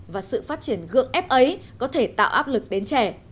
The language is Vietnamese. và sự phát triển gượng ép ấy có thể tạo áp lực đến trẻ